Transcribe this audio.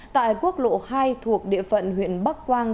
tại quốc lộ hai thuộc địa phận huyện bắc quang